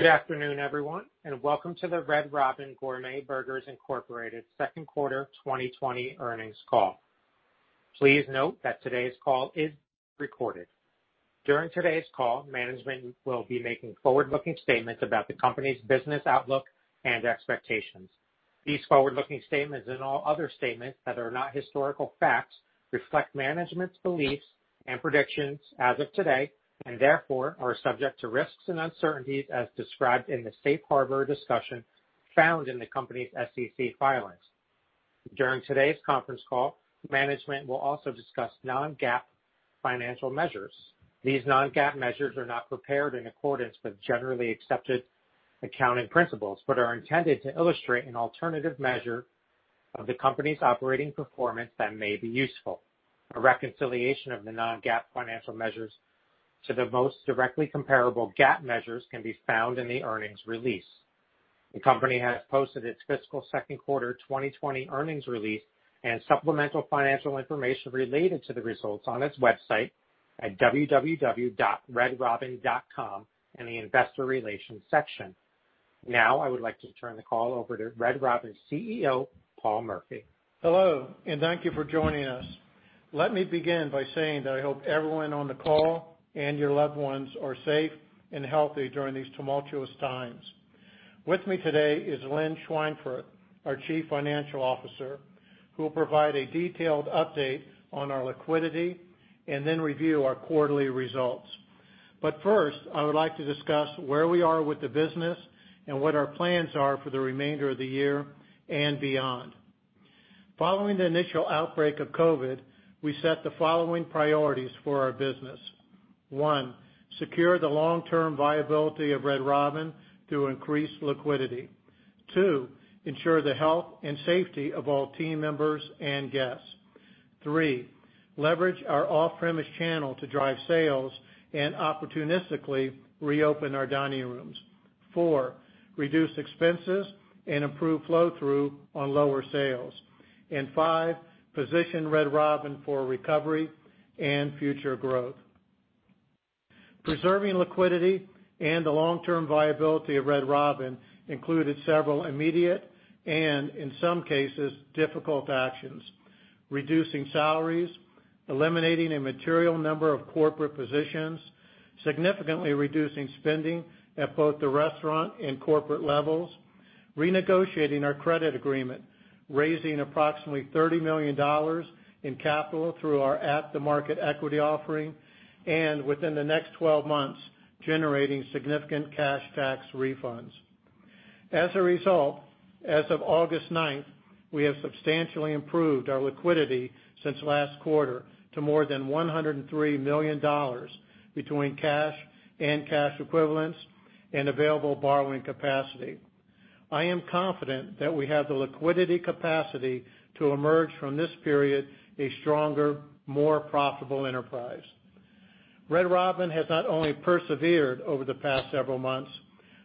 Good afternoon, everyone, and welcome to the Red Robin Gourmet Burgers Incorporated second quarter 2020 earnings call. Please note that today's call is recorded. During today's call, management will be making forward-looking statements about the company's business outlook and expectations. These forward-looking statements, and all other statements that are not historical facts, reflect management's beliefs and predictions as of today, and therefore are subject to risks and uncertainties as described in the safe harbor discussion found in the company's SEC filings. During today's conference call, management will also discuss non-GAAP financial measures. These non-GAAP measures are not prepared in accordance with generally accepted accounting principles but are intended to illustrate an alternative measure of the company's operating performance that may be useful. A reconciliation of the non-GAAP financial measures to the most directly comparable GAAP measures can be found in the earnings release. The company has posted its fiscal second quarter 2020 earnings release and supplemental financial information related to the results on its website at www.redrobin.com in the investor relations section. Now, I would like to turn the call over to Red Robin's CEO, Paul Murphy. Hello, and thank you for joining us. Let me begin by saying that I hope everyone on the call and your loved ones are safe and healthy during these tumultuous times. With me today is Lynn Schweinfurth, our Chief Financial Officer, who will provide a detailed update on our liquidity and then review our quarterly results. First, I would like to discuss where we are with the business and what our plans are for the remainder of the year and beyond. Following the initial outbreak of COVID, we set the following priorities for our business. One, secure the long-term viability of Red Robin through increased liquidity. Two, ensure the health and safety of all team members and guests. Three, leverage our off-premise channel to drive sales and opportunistically reopen our dining rooms. Four, reduce expenses and improve flow-through on lower sales. Five, position Red Robin for recovery and future growth. Preserving liquidity and the long-term viability of Red Robin included several immediate, and in some cases, difficult actions. Reducing salaries, eliminating a material number of corporate positions, significantly reducing spending at both the restaurant and corporate levels, renegotiating our credit agreement, raising approximately $30 million in capital through our at-the-market equity offering, and within the next 12 months, generating significant cash tax refunds. As a result, as of August 9th, we have substantially improved our liquidity since last quarter to more than $103 million between cash and cash equivalents and available borrowing capacity. I am confident that we have the liquidity capacity to emerge from this period a stronger, more profitable enterprise. Red Robin has not only persevered over the past several months,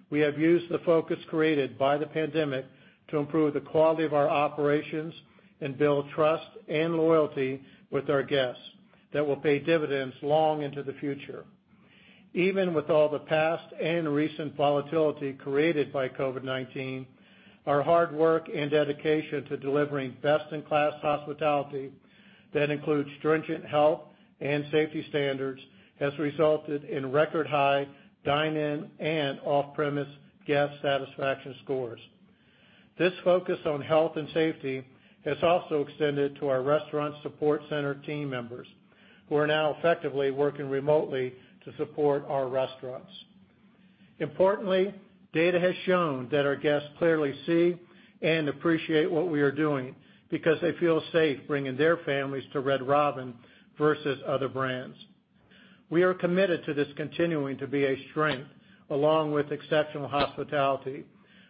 we have used the focus created by the pandemic to improve the quality of our operations and build trust and loyalty with our guests that will pay dividends long into the future. Even with all the past and recent volatility created by COVID-19, our hard work and dedication to delivering best-in-class hospitality, that includes stringent health and safety standards, has resulted in record high dine-in and off-premise guest satisfaction scores. This focus on health and safety has also extended to our restaurant support center team members, who are now effectively working remotely to support our restaurants. Importantly, data has shown that our guests clearly see and appreciate what we are doing because they feel safe bringing their families to Red Robin versus other brands. We are committed to this continuing to be a strength along with exceptional hospitality,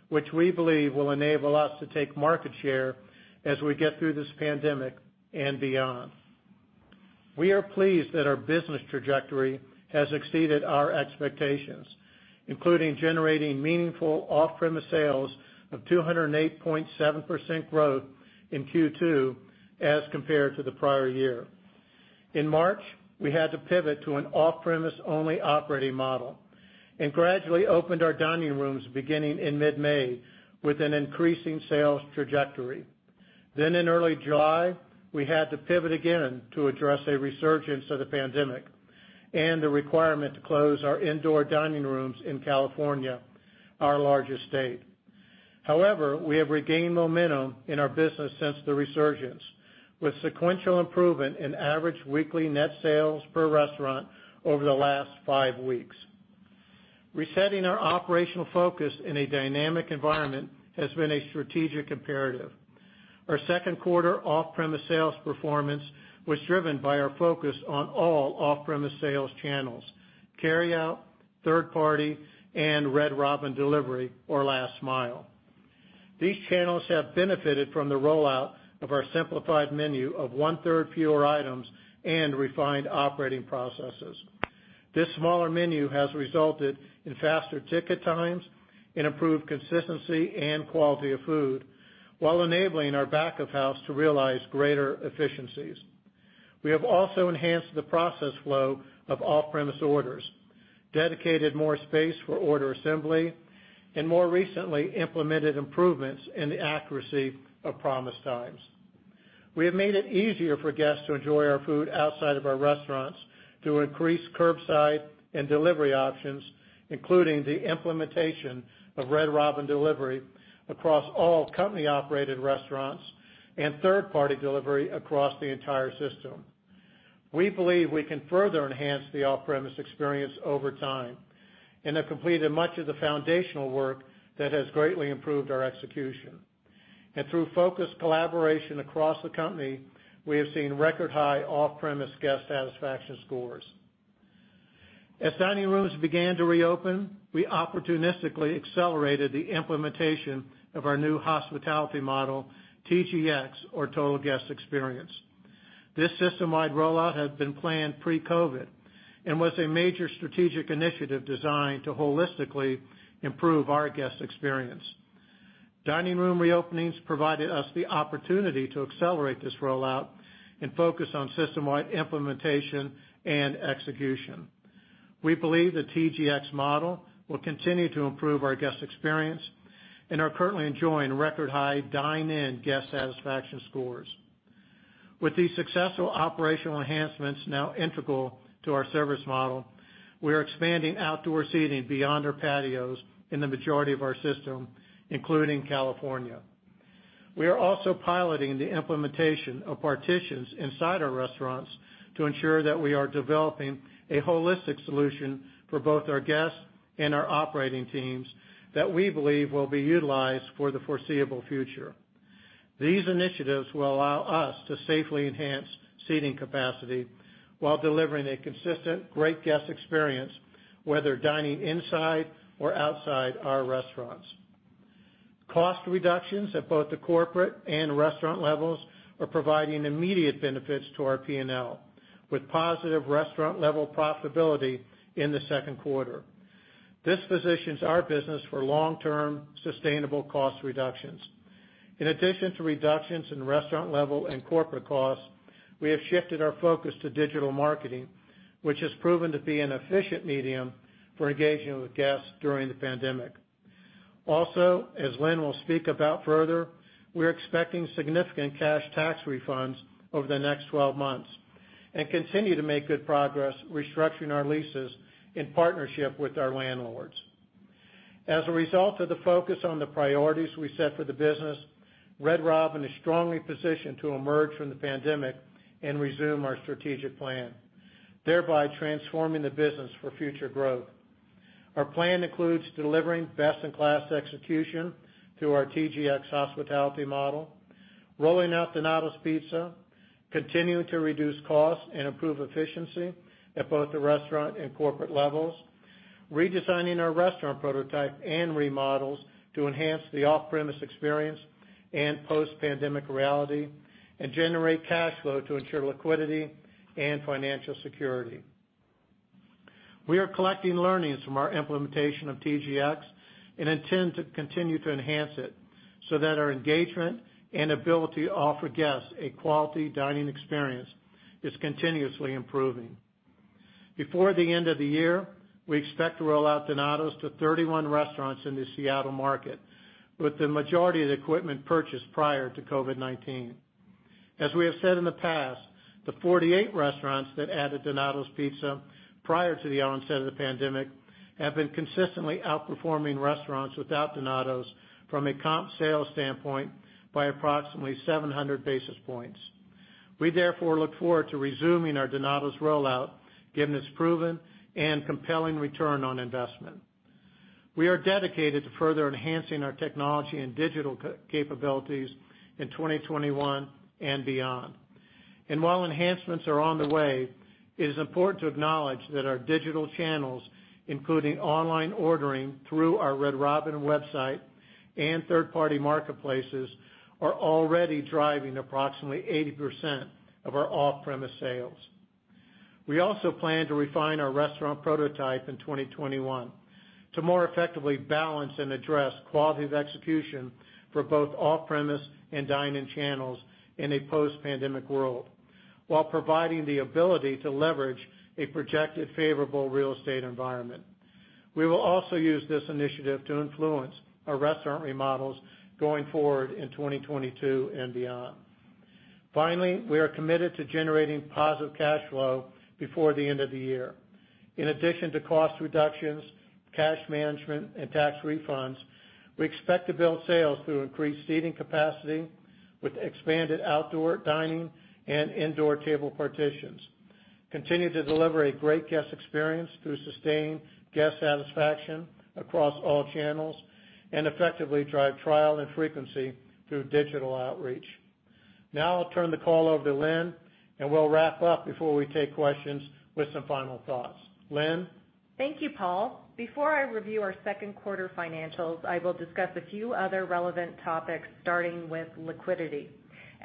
which we believe will enable us to take market share as we get through this pandemic and beyond. We are pleased that our business trajectory has exceeded our expectations, including generating meaningful off-premise sales of 208.7% growth in Q2 as compared to the prior year. In March, we had to pivot to an off-premise-only operating model and gradually opened our dining rooms beginning in mid-May with an increasing sales trajectory. In early July, we had to pivot again to address a resurgence of the pandemic and the requirement to close our indoor dining rooms in California, our largest state. We have regained momentum in our business since the resurgence, with sequential improvement in average weekly net sales per restaurant over the last five weeks. Resetting our operational focus in a dynamic environment has been a strategic imperative. Our second quarter off-premise sales performance was driven by our focus on all off-premise sales channels, carryout, third party, and Red Robin delivery, or last-mile. These channels have benefited from the rollout of our simplified menu of one-third fewer items and refined operating processes. This smaller menu has resulted in faster ticket times and improved consistency and quality of food while enabling our back of house to realize greater efficiencies. We have also enhanced the process flow of off-premise orders, dedicated more space for order assembly, and more recently implemented improvements in the accuracy of promise times. We have made it easier for guests to enjoy our food outside of our restaurants through increased curbside and delivery options, including the implementation of Red Robin delivery across all company-operated restaurants and third-party delivery across the entire system. We believe we can further enhance the off-premise experience over time and have completed much of the foundational work that has greatly improved our execution. Through focused collaboration across the company, we have seen record high off-premise guest satisfaction scores. As dining rooms began to reopen, we opportunistically accelerated the implementation of our new hospitality model, TGX, or Total Guest Experience. This system-wide rollout had been planned pre-COVID and was a major strategic initiative designed to holistically improve our guest experience. Dining room reopenings provided us the opportunity to accelerate this rollout and focus on system-wide implementation and execution. We believe the TGX model will continue to improve our guest experience and are currently enjoying record high dine-in guest satisfaction scores. With these successful operational enhancements now integral to our service model, we are expanding outdoor seating beyond our patios in the majority of our system, including California. We are also piloting the implementation of partitions inside our restaurants to ensure that we are developing a holistic solution for both our guests and our operating teams that we believe will be utilized for the foreseeable future. These initiatives will allow us to safely enhance seating capacity while delivering a consistent, great guest experience, whether dining inside or outside our restaurants. Cost reductions at both the corporate and restaurant levels are providing immediate benefits to our P&L, with positive restaurant-level profitability in the second quarter. This positions our business for long-term, sustainable cost reductions. In addition to reductions in restaurant-level and corporate costs, we have shifted our focus to digital marketing, which has proven to be an efficient medium for engaging with guests during the pandemic. Also, as Lynn will speak about further, we're expecting significant cash tax refunds over the next 12 months and continue to make good progress restructuring our leases in partnership with our landlords. As a result of the focus on the priorities we set for the business, Red Robin is strongly positioned to emerge from the pandemic and resume our strategic plan, thereby transforming the business for future growth. Our plan includes delivering best-in-class execution through our TGX hospitality model, rolling out Donatos Pizza, continuing to reduce costs and improve efficiency at both the restaurant and corporate levels, redesigning our restaurant prototype and remodels to enhance the off-premise experience and post-pandemic reality, and generate cash flow to ensure liquidity and financial security. We are collecting learnings from our implementation of TGX and intend to continue to enhance it so that our engagement and ability to offer guests a quality dining experience is continuously improving. Before the end of the year, we expect to roll out Donatos to 31 restaurants in the Seattle market, with the majority of the equipment purchased prior to COVID-19. As we have said in the past, the 48 restaurants that added Donatos Pizza prior to the onset of the pandemic have been consistently outperforming restaurants without Donatos from a comp sales standpoint by approximately 700 basis points. We therefore look forward to resuming our Donatos rollout, given its proven and compelling return on investment. We are dedicated to further enhancing our technology and digital capabilities in 2021 and beyond. While enhancements are on the way, it is important to acknowledge that our digital channels, including online ordering through our Red Robin website and third-party marketplaces, are already driving approximately 80% of our off-premise sales. We also plan to refine our restaurant prototype in 2021 to more effectively balance and address quality of execution for both off-premise and dine-in channels in a post-pandemic world, while providing the ability to leverage a projected favorable real estate environment. We will also use this initiative to influence our restaurant remodels going forward in 2022 and beyond. Finally, we are committed to generating positive cash flow before the end of the year. In addition to cost reductions, cash management, and tax refunds, we expect to build sales through increased seating capacity with expanded outdoor dining and indoor table partitions, continue to deliver a great guest experience through sustained guest satisfaction across all channels, and effectively drive trial and frequency through digital outreach. Now I'll turn the call over to Lynn, and we'll wrap up before we take questions with some final thoughts. Lynn? Thank you, Paul. Before I review our second quarter financials, I will discuss a few other relevant topics, starting with liquidity.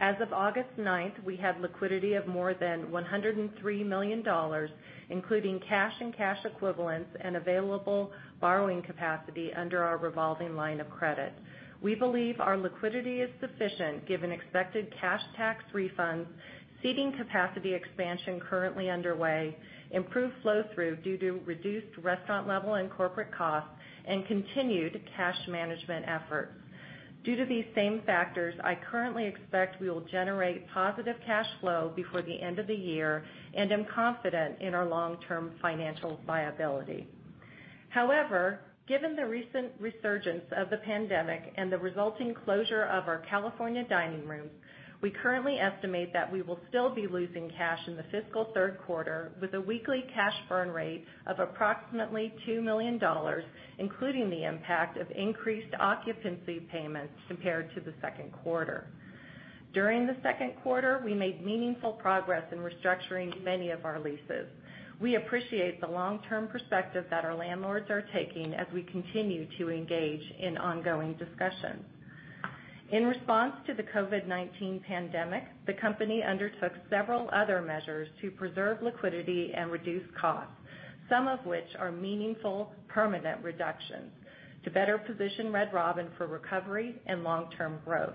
As of August 9th, we had liquidity of more than $103 million, including cash and cash equivalents and available borrowing capacity under our revolving line of credit. We believe our liquidity is sufficient given expected cash tax refunds, seating capacity expansion currently underway, improved flow through due to reduced restaurant level and corporate costs, and continued cash management efforts. Due to these same factors, I currently expect we will generate positive cash flow before the end of the year and am confident in our long-term financial viability. Given the recent resurgence of the pandemic and the resulting closure of our California dining rooms, we currently estimate that we will still be losing cash in the fiscal third quarter with a weekly cash burn rate of approximately $2 million, including the impact of increased occupancy payments compared to the second quarter. During the second quarter, we made meaningful progress in restructuring many of our leases. We appreciate the long-term perspective that our landlords are taking as we continue to engage in ongoing discussions. In response to the COVID-19 pandemic, the company undertook several other measures to preserve liquidity and reduce costs, some of which are meaningful permanent reductions to better position Red Robin for recovery and long-term growth.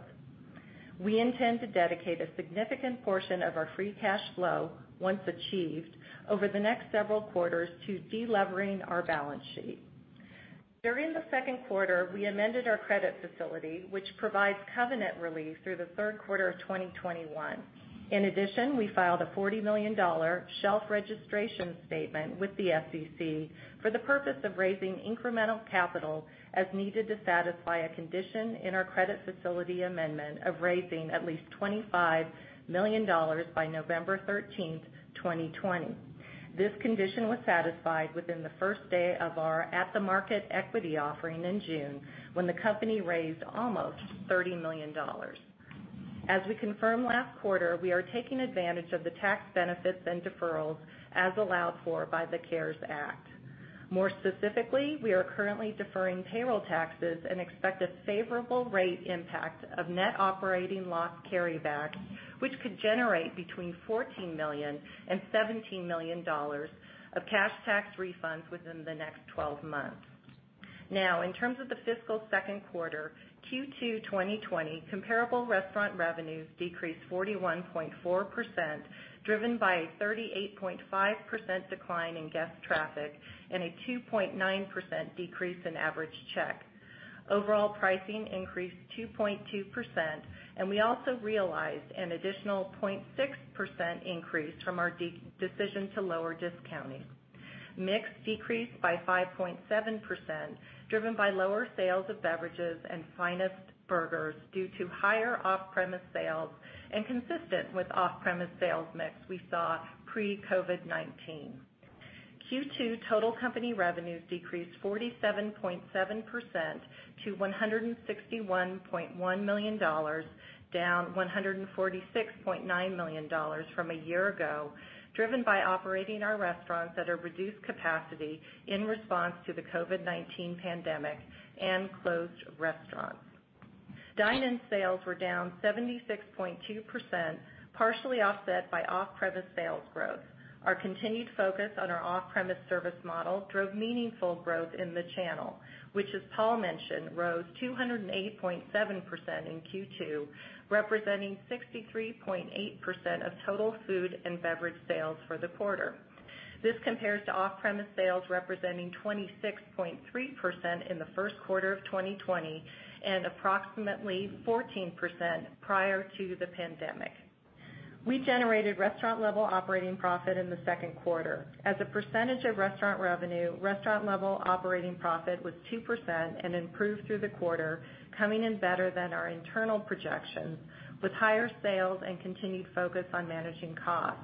We intend to dedicate a significant portion of our free cash flow, once achieved, over the next several quarters to de-levering our balance sheet. During the second quarter, we amended our credit facility, which provides covenant relief through the third quarter of 2021. In addition, we filed a $40 million shelf registration statement with the SEC for the purpose of raising incremental capital as needed to satisfy a condition in our credit facility amendment of raising at least $25 million by November 13th, 2020. This condition was satisfied within the first day of our at-the-market equity offering in June, when the company raised almost $30 million. As we confirmed last quarter, we are taking advantage of the tax benefits and deferrals as allowed for by the CARES Act. More specifically, we are currently deferring payroll taxes and expect a favorable rate impact of net operating loss carryback, which could generate between $14 million and $17 million of cash tax refunds within the next 12 months. In terms of the fiscal second quarter, Q2 2020 comparable restaurant revenues decreased 41.4%, driven by a 38.5% decline in guest traffic and a 2.9% decrease in average check. Overall pricing increased 2.2%, we also realized an additional 0.6% increase from our decision to lower discounting. Mix decreased by 5.7%, driven by lower sales of beverages and Finest Burgers due to higher off-premise sales and consistent with off-premise sales mix we saw pre-COVID-19. Q2 total company revenues decreased 47.7% to $161.1 million, down $146.9 million from a year ago, driven by operating our restaurants at a reduced capacity in response to the COVID-19 pandemic and closed restaurants. Dine-in sales were down 76.2%, partially offset by off-premise sales growth. Our continued focus on our off-premise service model drove meaningful growth in the channel, which, as Paul mentioned, rose 208.7% in Q2, representing 63.8% of total food and beverage sales for the quarter. This compares to off-premise sales representing 26.3% in the first quarter of 2020 and approximately 14% prior to the pandemic. We generated restaurant level operating profit in the second quarter. As a percentage of restaurant revenue, restaurant level operating profit was 2% and improved through the quarter, coming in better than our internal projections with higher sales and continued focus on managing costs.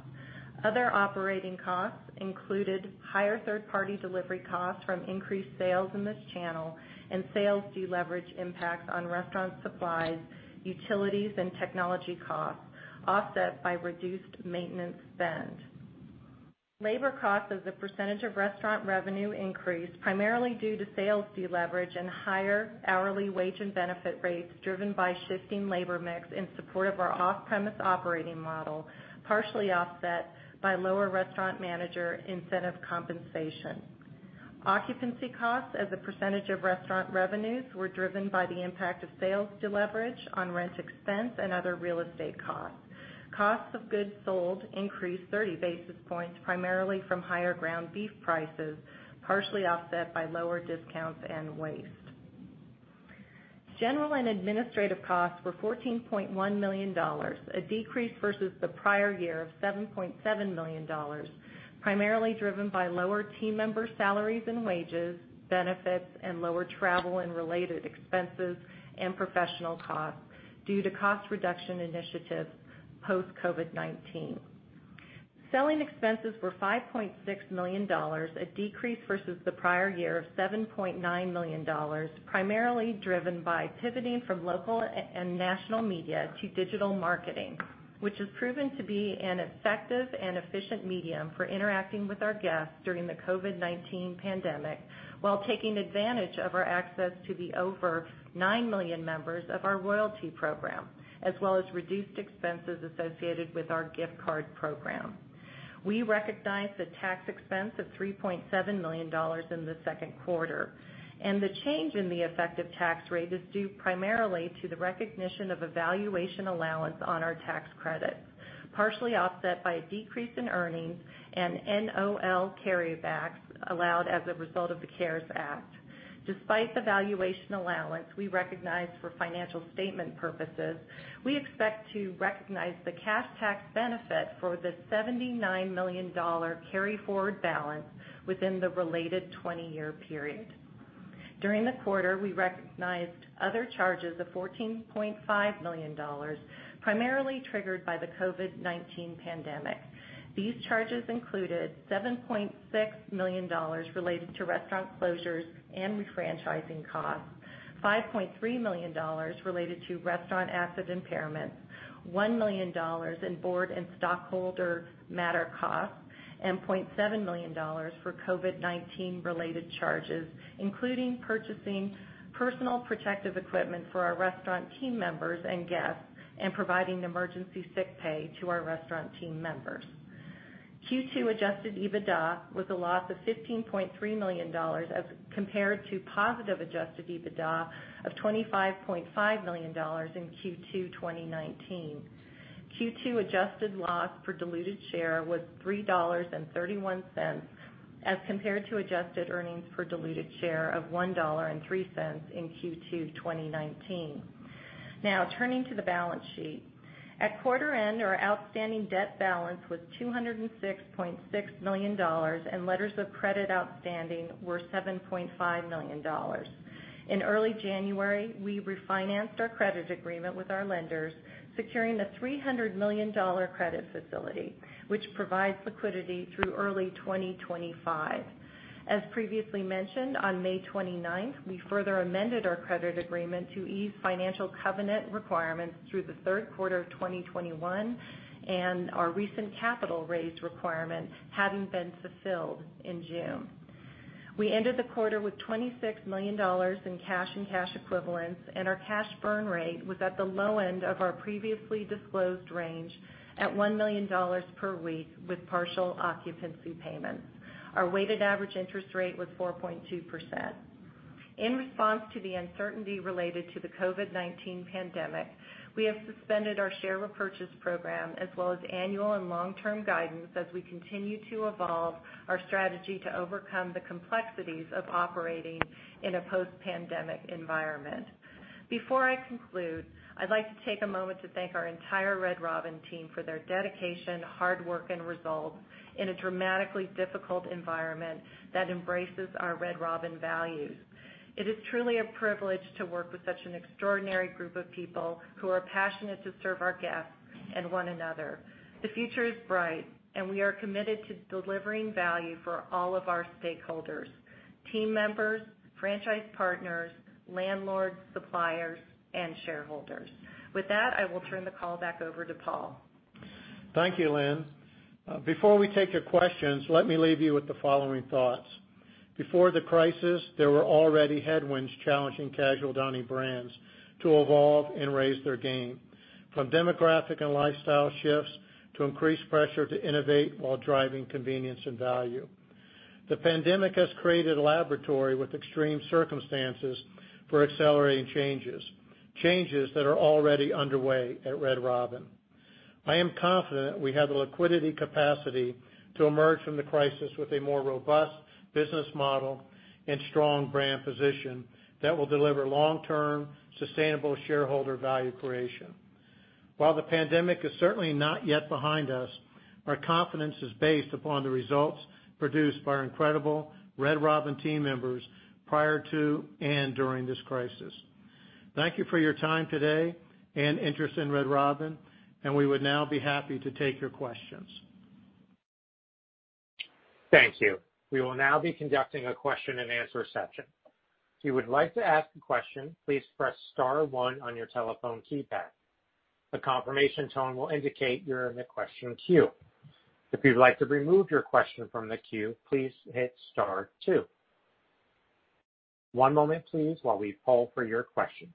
Other operating costs included higher third-party delivery costs from increased sales in this channel and sales deleverage impacts on restaurant supplies, utilities, and technology costs, offset by reduced maintenance spend. Labor costs as a percentage of restaurant revenue increased primarily due to sales deleverage and higher hourly wage and benefit rates driven by shifting labor mix in support of our off-premise operating model, partially offset by lower restaurant manager incentive compensation. Occupancy costs as a percentage of restaurant revenues were driven by the impact of sales deleverage on rent expense and other real estate costs. Costs of goods sold increased 30 basis points primarily from higher ground beef prices, partially offset by lower discounts and waste. General and administrative costs were $14.1 million, a decrease versus the prior year of $7.7 million, primarily driven by lower team member salaries and wages, benefits, and lower travel and related expenses and professional costs due to cost reduction initiatives post-COVID-19. Selling expenses were $5.6 million, a decrease versus the prior year of $7.9 million, primarily driven by pivoting from local and national media to digital marketing, which has proven to be an effective and efficient medium for interacting with our guests during the COVID-19 pandemic, while taking advantage of our access to the over 9 million members of our Royalty program, as well as reduced expenses associated with our gift card program. We recognized a tax expense of $3.7 million in the second quarter, and the change in the effective tax rate is due primarily to the recognition of a valuation allowance on our tax credits, partially offset by a decrease in earnings and NOL carrybacks allowed as a result of the CARES Act. Despite the valuation allowance we recognized for financial statement purposes, we expect to recognize the cash tax benefit for the $79 million carryforward balance within the related 20-year period. During the quarter, we recognized other charges of $14.5 million, primarily triggered by the COVID-19 pandemic. These charges included $7.6 million related to restaurant closures and refranchising costs, $5.3 million related to restaurant asset impairment, $1 million in board and stockholder matter costs, and $0.7 million for COVID-19 related charges, including purchasing personal protective equipment for our restaurant team members and guests, and providing emergency sick pay to our restaurant team members. Q2 adjusted EBITDA was a loss of $15.3 million as compared to positive adjusted EBITDA of $25.5 million in Q2 2019. Q2 adjusted loss per diluted share was $3.31 as compared to adjusted earnings per diluted share of $1.03 in Q2 2019. Turning to the balance sheet. At quarter end, our outstanding debt balance was $206.6 million, and letters of credit outstanding were $7.5 million. In early January, we refinanced our credit agreement with our lenders, securing a $300 million credit facility, which provides liquidity through early 2025. As previously mentioned, on May 29th, we further amended our credit agreement to ease financial covenant requirements through the third quarter of 2021, and our recent capital raise requirement having been fulfilled in June. We ended the quarter with $26 million in cash and cash equivalents, and our cash burn rate was at the low end of our previously disclosed range at $1 million per week with partial occupancy payments. Our weighted average interest rate was 4.2%. In response to the uncertainty related to the COVID-19 pandemic, we have suspended our share repurchase program as well as annual and long-term guidance as we continue to evolve our strategy to overcome the complexities of operating in a post-pandemic environment. Before I conclude, I'd like to take a moment to thank our entire Red Robin team for their dedication, hard work, and resolve in a dramatically difficult environment that embraces our Red Robin values. It is truly a privilege to work with such an extraordinary group of people who are passionate to serve our guests and one another. The future is bright, and we are committed to delivering value for all of our stakeholders, team members, franchise partners, landlords, suppliers, and shareholders. With that, I will turn the call back over to Paul. Thank you, Lynn. Before we take your questions, let me leave you with the following thoughts. Before the crisis, there were already headwinds challenging casual dining brands to evolve and raise their game, from demographic and lifestyle shifts to increased pressure to innovate while driving convenience and value. The pandemic has created a laboratory with extreme circumstances for accelerating changes that are already underway at Red Robin. I am confident we have the liquidity capacity to emerge from the crisis with a more robust business model and strong brand position that will deliver long-term, sustainable shareholder value creation. While the pandemic is certainly not yet behind us, our confidence is based upon the results produced by our incredible Red Robin team members prior to and during this crisis. Thank you for your time today and interest in Red Robin. We would now be happy to take your questions. Thank you. We will now be conducting a question-and-answer session. If you would like to ask a question, please press star one on your telephone keypad. A confirmation tone will indicate you're in the question queue. If you'd like to remove your question from the queue, please hit star two. One moment please while we poll for your questions.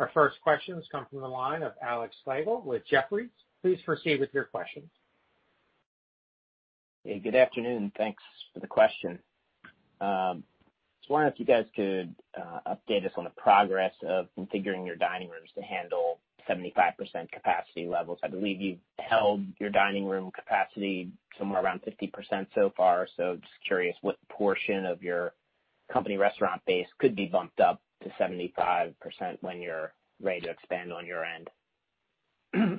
Our first question comes from the line of Alex Slagle with Jefferies. Please proceed with your questions. Hey, good afternoon. Thanks for the question. Just wondering if you guys could update us on the progress of configuring your dining rooms to handle 75% capacity levels. I believe you've held your dining room capacity somewhere around 50% so far. Just curious what portion of your company restaurant base could be bumped up to 75% when you're ready to expand on your end?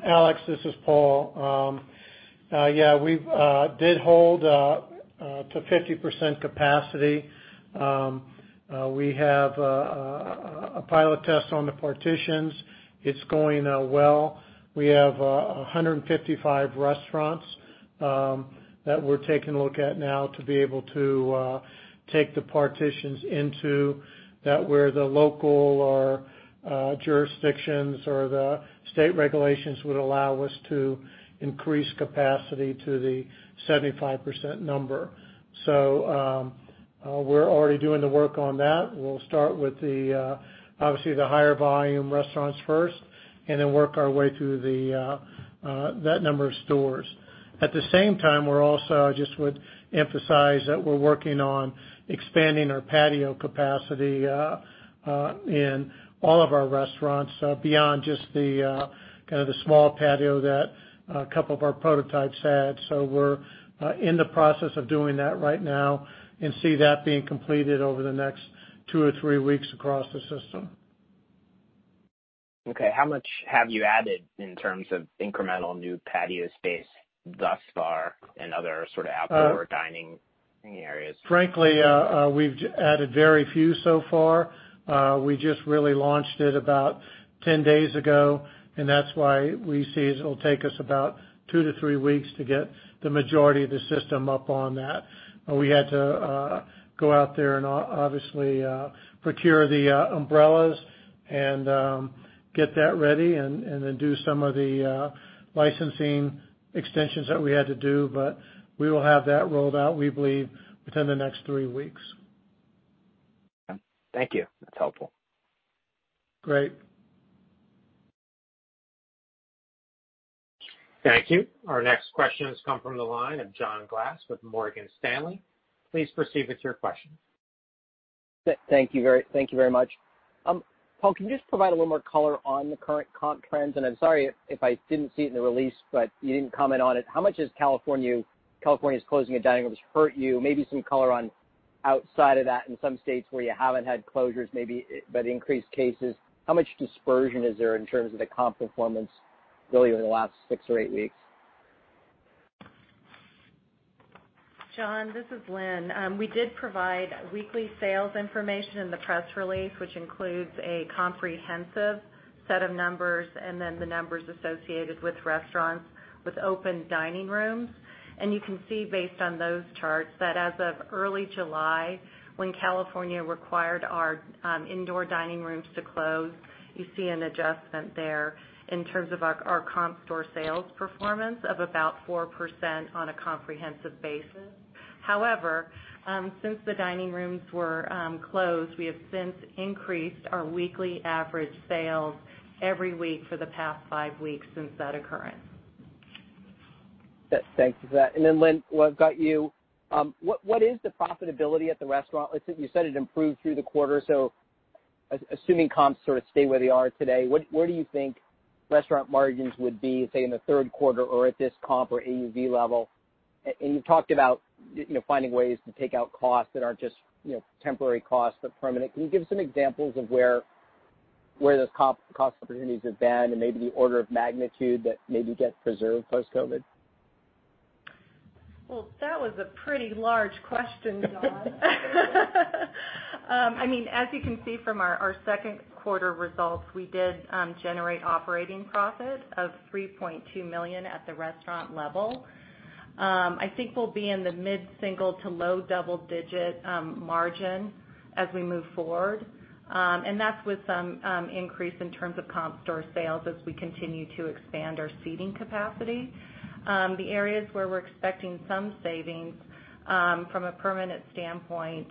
Alex, this is Paul. We did hold to 50% capacity. We have a pilot test on the partitions. It's going well. We have 155 restaurants that we're taking a look at now to be able to take the partitions into that, where the local or jurisdictions or the state regulations would allow us to increase capacity to the 75% number. We're already doing the work on that. We'll start with obviously the higher volume restaurants first, then work our way through that number of stores. At the same time, we're also, I just would emphasize that we're working on expanding our patio capacity in all of our restaurants beyond just the small patio that a couple of our prototypes had. We're in the process of doing that right now and see that being completed over the next two or three weeks across the system. Okay, how much have you added in terms of incremental new patio space thus far in other sort of outdoor dining areas? Frankly, we've added very few so far. We just really launched it about 10 days ago. That's why we see it'll take us about two to three weeks to get the majority of the system up on that. We had to go out there and obviously procure the umbrellas and get that ready and then do some of the licensing extensions that we had to do. We will have that rolled out, we believe, within the next three weeks. Thank you. That's helpful. Great. Thank you. Our next question has come from the line of John Glass with Morgan Stanley. Please proceed with your question. Thank you very much. Paul, can you just provide a little more color on the current comp trends? I'm sorry if I didn't see it in the release, but you didn't comment on it. How much has California's closing of dining rooms hurt you? Maybe some color on outside of that in some states where you haven't had closures, but increased cases. How much dispersion is there in terms of the comp performance really over the last six or eight weeks? John, this is Lynn. We did provide weekly sales information in the press release, which includes a comprehensive set of numbers, and then the numbers associated with restaurants with open dining rooms. You can see based on those charts that as of early July, when California required our indoor dining rooms to close, you see an adjustment there in terms of our comp store sales performance of about 4% on a comprehensive basis. However, since the dining rooms were closed, we have since increased our weekly average sales every week for the past five weeks since that occurrence. Thanks for that. Lynn, while I've got you, what is the profitability at the restaurant? You said it improved through the quarter, so assuming comps sort of stay where they are today, where do you think restaurant margins would be, say, in the third quarter or at this comp or AUV level? You talked about finding ways to take out costs that aren't just temporary costs, but permanent. Can you give some examples of where those cost opportunities have been and maybe the order of magnitude that maybe gets preserved post-COVID? Well, that was a pretty large question, John. As you can see from our second quarter results, we did generate operating profit of $3.2 million at the restaurant level. I think we'll be in the mid-single to low double-digit margin as we move forward. That's with some increase in terms of comp store sales as we continue to expand our seating capacity. The areas where we're expecting some savings from a permanent standpoint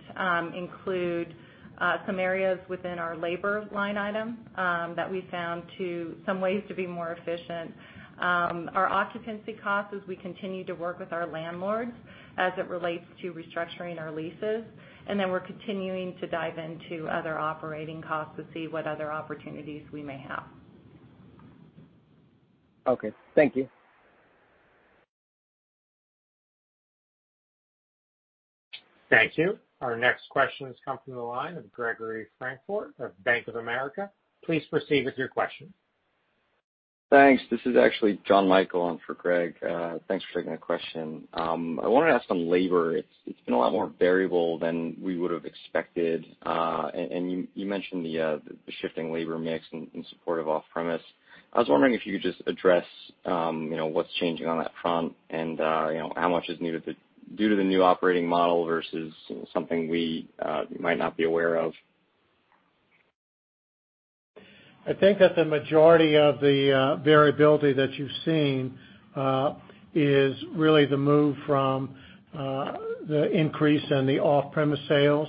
include some areas within our labor line item that we found some ways to be more efficient. Our occupancy costs as we continue to work with our landlords as it relates to restructuring our leases, and then we're continuing to dive into other operating costs to see what other opportunities we may have. Okay. Thank you. Thank you. Our next question has come from the line of Gregory Francfort of Bank of America. Please proceed with your question. Thanks. This is actually John Michael on for Greg. Thanks for taking my question. I wanted to ask on labor, it's been a lot more variable than we would've expected. You mentioned the shifting labor mix in support of off-premise. I was wondering if you could just address what's changing on that front and how much is needed due to the new operating model versus something we might not be aware of. I think that the majority of the variability that you've seen is really the move from the increase in the off-premise sales.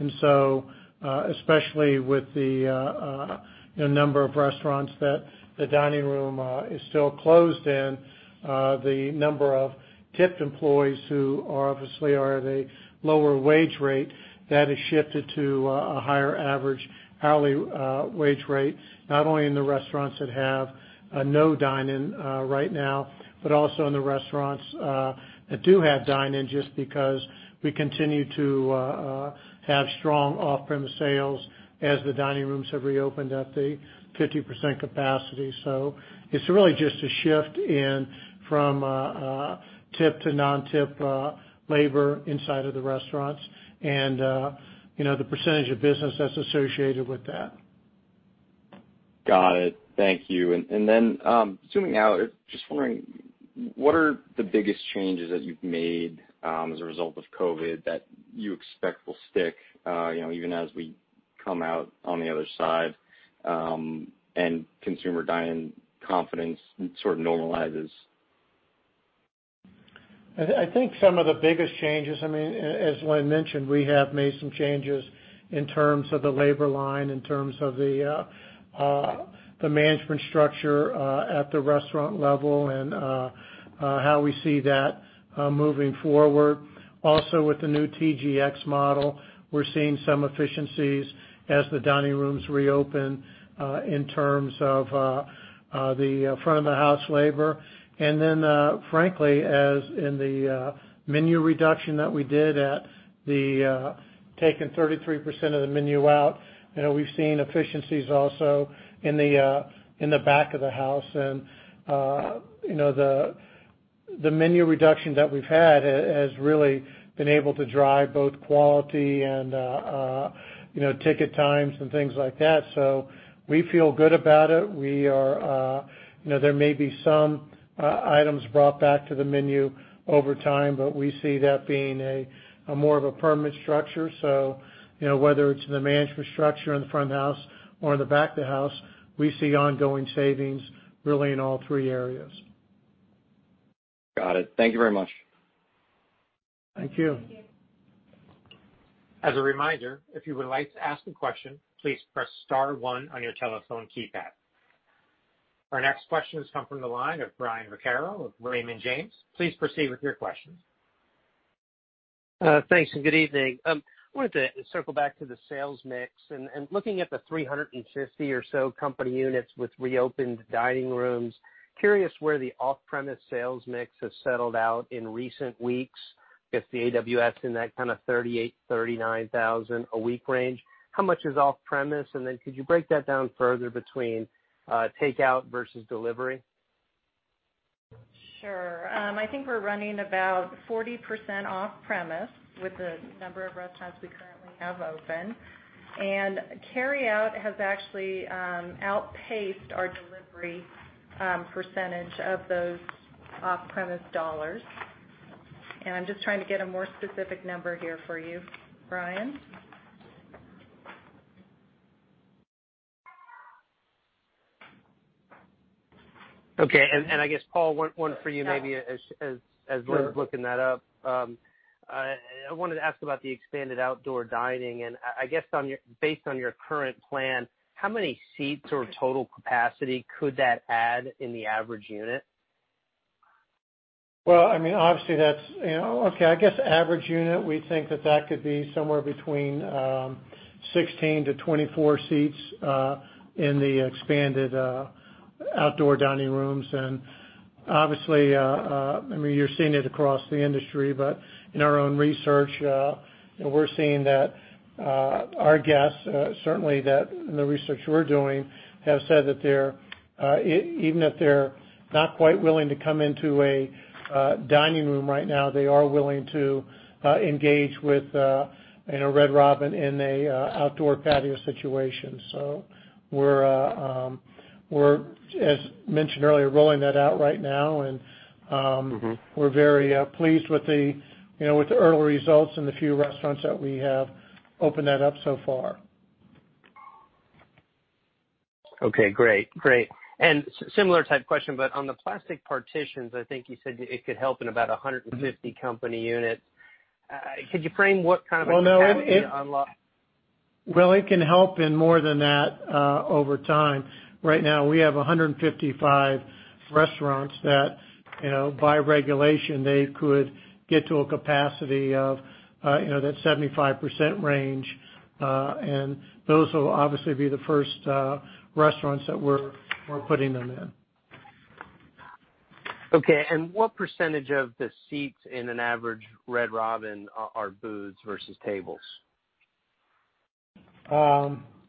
Especially with the number of restaurants that the dining room is still closed in, the number of tipped employees who obviously are at a lower wage rate, that has shifted to a higher average hourly wage rate, not only in the restaurants that have no dine-in right now, but also in the restaurants that do have dine-in just because we continue to have strong off-premise sales as the dining rooms have reopened at the 50% capacity. It's really just a shift in from tipped to non-tipped labor inside of the restaurants and the percentage of business that's associated with that. Got it. Thank you. Zooming out, just wondering, what are the biggest changes that you've made, as a result of COVID that you expect will stick, even as we come out on the other side, and consumer dine-in confidence sort of normalizes? I think some of the biggest changes, as Lynn mentioned, we have made some changes in terms of the labor line, in terms of the management structure at the restaurant level and how we see that moving forward. Also, with the new TGX model, we're seeing some efficiencies as the dining rooms reopen, in terms of the front of the house labor. Frankly, as in the menu reduction that we did at the taking 33% of the menu out. We've seen efficiencies also in the back of the house and the menu reduction that we've had has really been able to drive both quality and ticket times and things like that. We feel good about it. There may be some items brought back to the menu over time, we see that being a more of a permanent structure. Whether it's the management structure in the front of the house or in the back of the house, we see ongoing savings really in all three areas. Got it. Thank you very much. Thank you. As a reminder, if you would like to ask a question, please press star one on your telephone keypad. Our next question has come from the line of Brian Vaccaro of Raymond James. Please proceed with your questions. Thanks. Good evening. I wanted to circle back to the sales mix, and looking at the 350 or so company units with reopened dining rooms, curious where the off-premise sales mix has settled out in recent weeks. If the AWS in that kind of 38,000, 39,000 a week range, how much is off-premise, and then could you break that down further between takeout versus delivery? Sure. I think we're running about 40% off-premise with the number of restaurants we currently have open, carry out has actually outpaced our delivery percentage of those off-premise dollars. I'm just trying to get a more specific number here for you, Brian. Okay, I guess, Paul, one for you maybe. Sure. Lynn's looking that up. I wanted to ask about the expanded outdoor dining, and I guess based on your current plan, how many seats or total capacity could that add in the average unit? Well, obviously that's Okay, I guess average unit, we think that that could be somewhere between 16-24 seats in the expanded outdoor dining rooms. Obviously, you're seeing it across the industry, but in our own research, we're seeing that our guests certainly that in the research we're doing, have said that even if they're not quite willing to come into a dining room right now, they are willing to engage with Red Robin in a outdoor patio situation. We're, as mentioned earlier, rolling that out right now. We're very pleased with the early results in the few restaurants that we have opened that up so far. Okay, great. Similar type question, but on the plastic partitions, I think you said it could help in about 150 company units. Could you frame what kind of a capacity unlock- Well, it can help in more than that over time. Right now, we have 155 restaurants that, by regulation, they could get to a capacity of that 75% range. Those will obviously be the first restaurants that we're putting them in. Okay, what percentage of the seats in an average Red Robin are booths versus tables?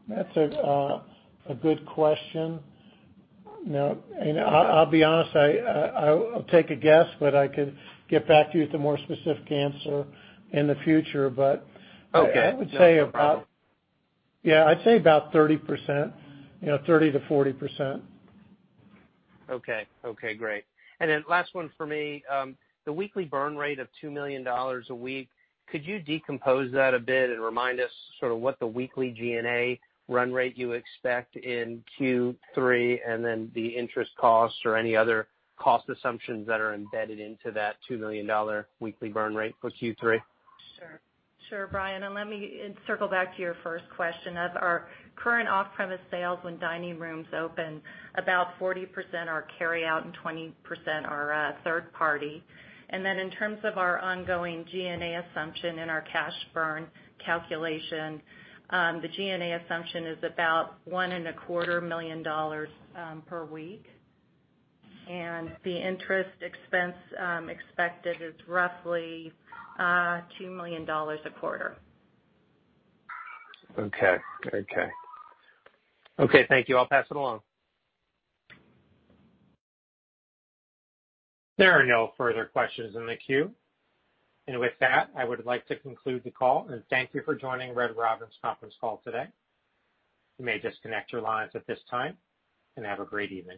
That's a good question. I'll be honest, I'll take a guess, but I could get back to you with a more specific answer in the future. Okay. I would say about 30%-40%. Okay, great. Last one for me. The weekly burn rate of $2 million a week, could you decompose that a bit and remind us sort of what the weekly G&A run rate you expect in Q3, and then the interest cost or any other cost assumptions that are embedded into that $2 million weekly burn rate for Q3? Sure, Brian, let me circle back to your first question. As our current off-premise sales when dining rooms open, about 40% are carry out and 20% are third party. In terms of our ongoing G&A assumption and our cash burn calculation, the G&A assumption is about one and a quarter million dollars per week, the interest expense expected is roughly $2 million a quarter. Okay. Thank you. I'll pass it along. There are no further questions in the queue. With that, I would like to conclude the call and thank you for joining Red Robin's conference call today. You may disconnect your lines at this time, and have a great evening.